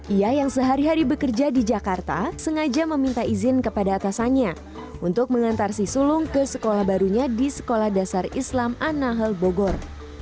ia yang sehari hari bekerja di jakarta sengaja meminta izin kepada atasannya untuk mengantar si sulung ke sekolah barunya di sekolah dasar islam anahal bogor